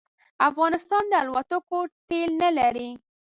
افغانستان د الوتکو تېل نه لري